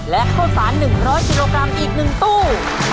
และโฆษณ์๑๐๐ธิโรกรัมอีก๑ตู้